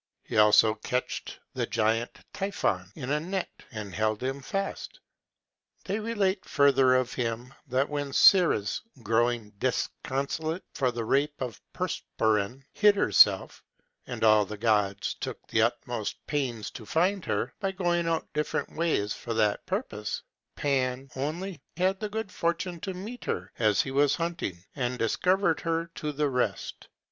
He also catched the giant Typhon in a net, and held him fast. They relate further of him, that when Ceres, growing disconsolate for the rape of Proserpine, hid herself, and all the gods took the utmost pains to find her, by going out different ways for that purpose, Pan only had the good fortune to meet her, as he was hunting, and discovered her to the rest.